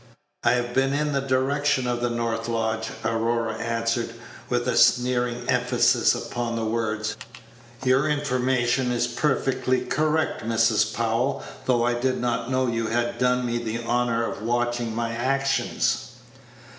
"I have been in the direction of the north lodge," Aurora answered, with a sneering emphasis upon the words. "Your information is perfectly correct, Mrs. Powell, though I did not know you had done me the honor of watching my actions."